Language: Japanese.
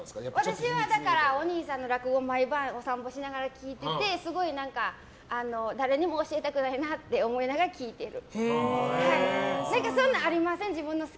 私はお兄さんの落語を毎晩お散歩しながら聴いてて誰にも教えたくないなって思いながら聴いてる。